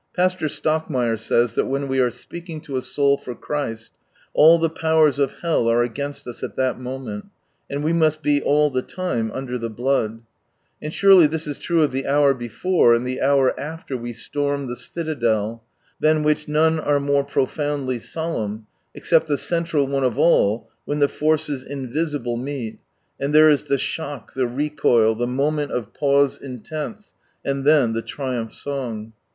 Pastor Slockmeyer says that when we are speaking to a soul for Christ all the powers of hell are against us at that moment, and we must " be all the lime _under the blood ;" and surely this is true of the hour before and the hour after we storm the citadel, than which none are more profoundly solemn, except the central one of all, when the forces invisible meet, and there is the shock, the recoil, the moment of pause intense,— and then the triumph song